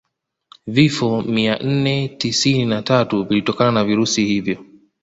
Vifo mia nne tisini na tatu vilitokana na virusi hivyo